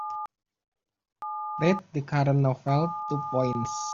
Rate the current novel two points